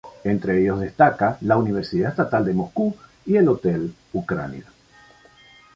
Entre ellos destaca la universidad estatal de Moscú y el hotel Ucrania.